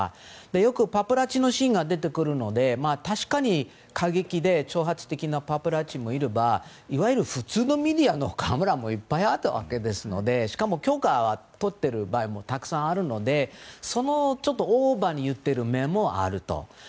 よくパパラッチのシーンが出てくるので確かに、過激で挑発的なパパラッチもいればいわゆる普通のメディアのカメラもいっぱいあったし許可を取ってるものもたくさんあるのでそのオーバーに言っている面もあると。